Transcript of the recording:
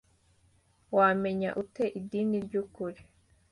Wamenya ute idini ry’ukuri?